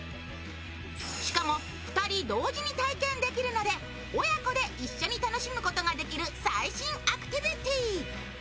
しかも２人同時に体験できるので親子で一緒に楽しむことができる最新アクティビティー。